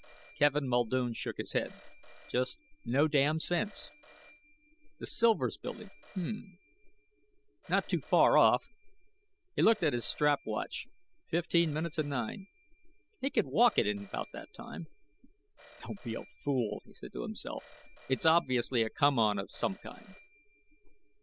Kevin Muldoon shook his head. Just no damn sense. The Silvers Building H'm! Not too far off. He looked at his strap watch. Fifteen minutes of nine. He could walk it in that time. "Don't be a fool," he said to himself. "It's obviously a come on of some kind."